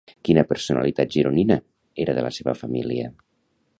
Quina personalitat gironina era de la seva família?